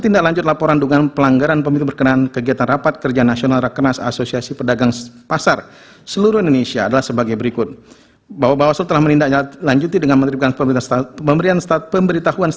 dan putusan mk nomor sembilan puluh garis miring puu dua puluh satu angka romawi dua ribu dua puluh tiga